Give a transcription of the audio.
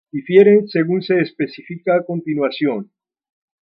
Difieren según se especifica a continuación.